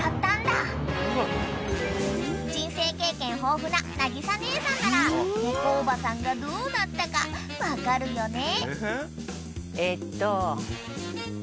［人生経験豊富ななぎさ姉さんなら猫おばさんがどうなったか分かるよね？］